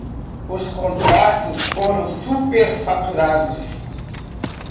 Os contratos foram superfaturados